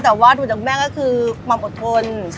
แต่ว่าส่วนจากคุณแม่ก็คือความอดทน